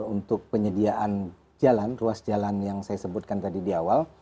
untuk penyediaan jalan ruas jalan yang saya sebutkan tadi di awal